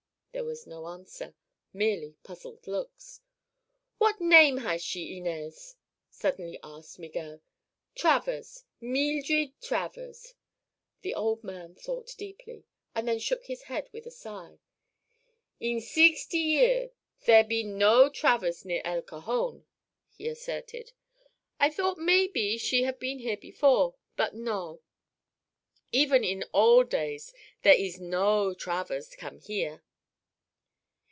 There was no answer. Merely puzzled looks. "What name has she, Inez?" suddenly asked Miguel. "Travers. Meeldred Travers." The old man thought deeply and then shook his head with a sigh. "In seexty year there be no Travers near El Cajon," he asserted. "I thought maybe she have been here before. But no. Even in old days there ees no Travers come here."